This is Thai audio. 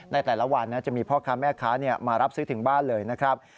ในแต่ละวันจะมีพ่อค้าแม่ค้ามารับซื้อถึงบ้านเลยนะครับ